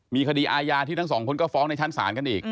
มีคดีอาญาที่ทั้งสองคนก็ฟ้องในชั้นศาลกันอีก